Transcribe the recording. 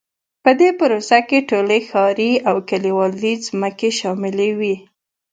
په دې پروسه کې ټولې ښاري او کلیوالي ځمکې شاملې وې.